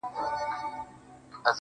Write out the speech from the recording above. مرگه نژدې يې څو شېبې د ژوندانه پاتې دي,